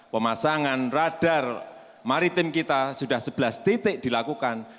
pemasangan radar maritim kita sudah sebelas titik dilakukan